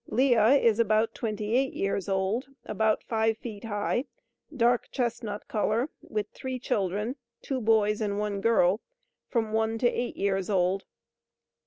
LEAH is about 28 years old, about five feet high, dark chestnut color, with THREE CHILDREN, two boys and one girl, from one to eight years old.